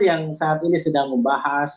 yang saat ini sedang membahas